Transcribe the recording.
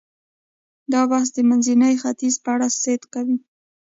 دا بحث د منځني ختیځ په اړه صدق کوي.